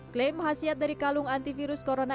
klaim hasil dari kalung antivirus corona